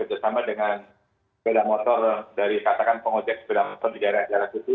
bersama dengan sepeda motor dari katakan pengojek sepeda motor di daerah daerah situ